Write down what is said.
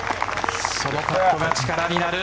そのパットが力になる。